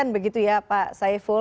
begitu ya pak saiful